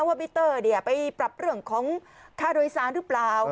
มิเตอร์ไปปรับเรื่องของค่าโดยสารหรือเปล่า